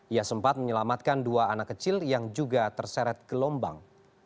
ia sempat menyelamatkan dua anak kecil yang juga terseret gelombang